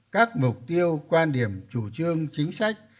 các mục tiêu quan điểm chủ trương chính sách